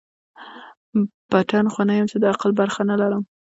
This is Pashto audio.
پتڼ خو نه یم چي د عقل برخه نه لرمه